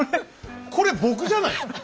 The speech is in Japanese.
これ僕じゃないですか？